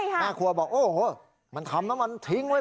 แม่ครัวบอกโอ้โหมันทำแล้วมันทิ้งไว้